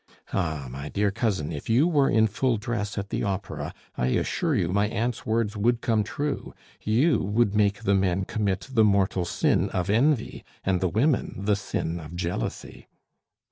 "Ah! my dear cousin, if you were in full dress at the Opera, I assure you my aunt's words would come true, you would make the men commit the mortal sin of envy, and the women the sin of jealousy."